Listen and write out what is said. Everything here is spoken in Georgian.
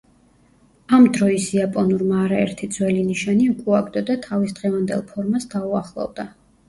ამ დროის იაპონურმა არაერთი ძველი ნიშანი უკუაგდო და თავის დღევანდელ ფორმას დაუახლოვდა.